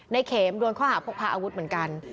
ในเข็มโดนข้อหาพกพาอาวุธเหมือนกัน